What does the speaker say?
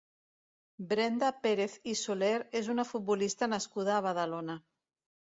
Brenda Pérez i Soler és una futbolista nascuda a Badalona.